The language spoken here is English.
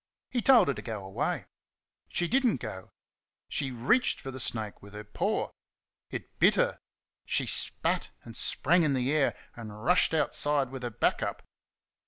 He told her to go away. She did n't go. She reached for the snake with her paw. It bit her. She spat and sprang in the air and rushed outside with her back up.